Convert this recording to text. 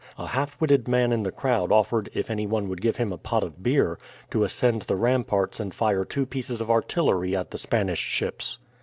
A half witted man in the crowd offered, if any one would give him a pot of beer, to ascend the ramparts and fire two pieces of artillery at the Spanish ships.